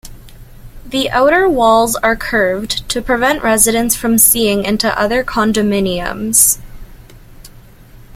The outer walls are curved to prevent residents from seeing into other condominiums.